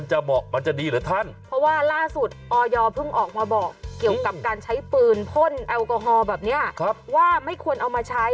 ใช้ปืนพ่นแอลกอฮอล์แบบนี้ว่าไม่ควรเอามาใช้